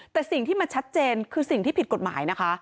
แต่สิ่งที่มันชัดเจนคือสิ่งที่ผิดกฎหมายนะคะ